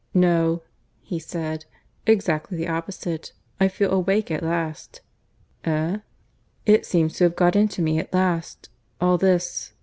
"No," he said. "Exactly the opposite. I feel awake at last." "Eh?" "It seems to have got into me at last. All this ...